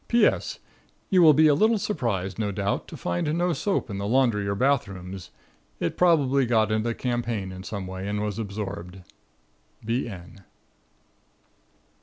P.S. You will be a little surprised, no doubt, to find no soap in the laundry or bath rooms. It probably got into the campaign in some way and was absorbed. B.N.